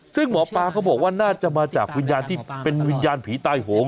ซึ่งหมอปลาก็บอกว่าน่าจะมาจากวิญญาณที่เป็นวิญญาณผีตายโหง